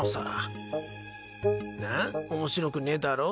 なっ面白くねえだろ？